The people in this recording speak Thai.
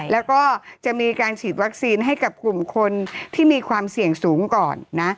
แล้วก็จะมีการฉีดวัคซีนให้กับกลุ่มคนที่มีความเสี่ยงสูงก่อนนะ